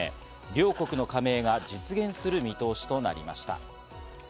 両国の加盟が実現する見通しとなりました。